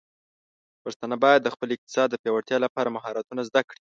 پښتانه بايد د خپل اقتصاد د پیاوړتیا لپاره مهارتونه زده کړي.